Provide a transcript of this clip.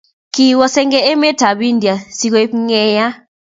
kiwo sengee emee ab india sikobit ngenya